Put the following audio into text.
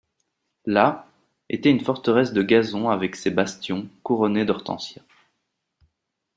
Là, était une forteresse de gazon avec ses bastions couronnés d'hortensias.